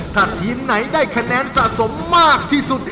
ถ้าทีมไหนได้คะแนนสะสมมากที่สุด